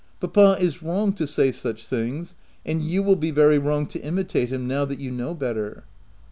" Papa is wrong to say such things, and you will be very wrong to imitate him, now that you know better.'